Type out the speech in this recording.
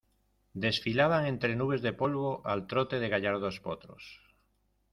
desfilaban entre nubes de polvo, al trote de gallardos potros